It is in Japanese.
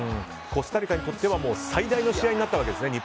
コスタリカにとっては最大の試合になったわけですね